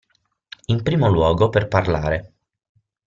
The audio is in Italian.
In primo luogo, per parlare.